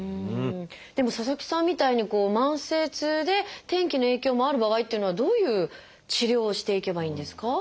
でも佐々木さんみたいに慢性痛で天気の影響もある場合っていうのはどういう治療をしていけばいいんですか？